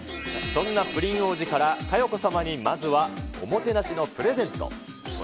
そんなプリン王子から佳代子様にまずはおもてなしのプレゼント。